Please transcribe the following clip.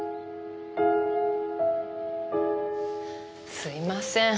すいません。